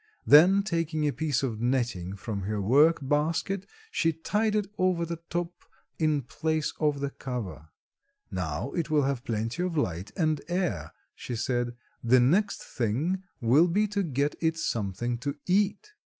Then taking a piece of netting from her work basket she tied it over the top in place of the cover. "Now it will have plenty of light and air," she said. "The next thing will be to get it something to eat."